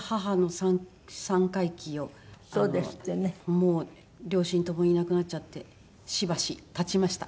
もう両親ともいなくなっちゃってしばし経ちました。